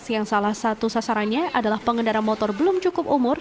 yang salah satu sasarannya adalah pengendara motor belum cukup umur